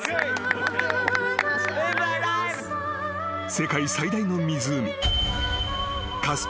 ［世界最大の湖］